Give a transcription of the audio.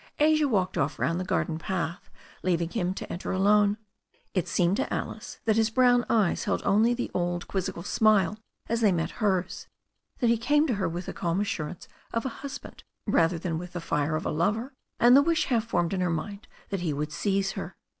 Asia walked off round the garden path, leaving him to enter alone. It seemed to Alice that his brown eyes held only the old quizzical smile as they met hers, that he came to her with the calm assurance of a husband rather than with the fire of a lover, and the wish half formed in her mind that he would seize her.